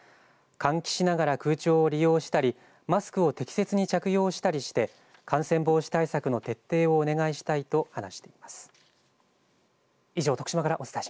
換気しながら空調を利用したりマスクを適切に着用したりして感染防止対策の徹底をお願いしたいと話しています。